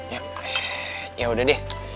ya ya udah deh